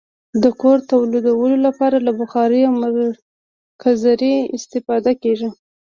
د کور تودولو لپاره له بخارۍ او مرکزګرمي استفاده کیږي.